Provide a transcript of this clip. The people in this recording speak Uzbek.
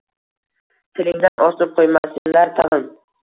tilingdan osib qo‘ymasinlar tag‘in».